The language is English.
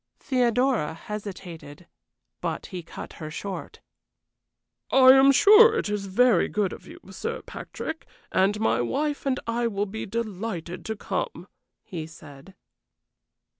Theodora hesitated but he cut her short. "I am sure it is very good of you, Sir Patrick, and my wife and I will be delighted to come," he said.